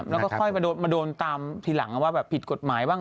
แล้วก็ค่อยมาโดนตามทีหลังว่าแบบผิดกฎหมายบ้าง